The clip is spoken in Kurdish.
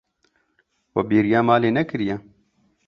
We bêriya malê nekiriye.